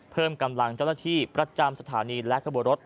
เพิ่มกำลังเจ้าหน้าที่ประจำสถานีและขบวนรถ